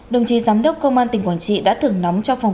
đồng chí giám đốc công an tỉnh quảng trị đã thưởng nóng cho phòng